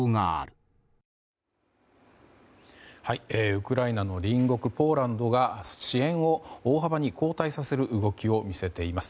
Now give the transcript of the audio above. ウクライナの隣国ポーランドが支援を大幅に後退させる動きを見せています。